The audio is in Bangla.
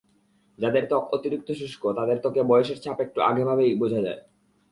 যাঁদের ত্বক অতিরিক্ত শুষ্ক, তাঁদের ত্বকে বয়সের ছাপ একটু আগেভাগেই বোঝা যায়।